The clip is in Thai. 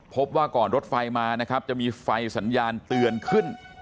พบว่าก่อนรถไฟมานะครับจะมีไฟสัญญาณเตือนขึ้น